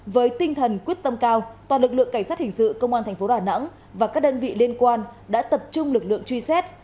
với tinh thần quyết tâm cao toàn lực lượng cảnh sát hình sự công an tp đà nẵng và các đơn vị liên quan đã tập trung lực lượng truy xét